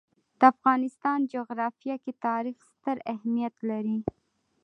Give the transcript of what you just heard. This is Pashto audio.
د افغانستان جغرافیه کې تاریخ ستر اهمیت لري.